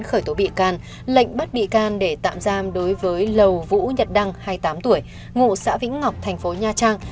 khởi tố bị can lệnh bắt bị can để tạm giam đối với lầu vũ nhật đăng hai mươi tám tuổi ngụ xã vĩnh ngọc thành phố nha trang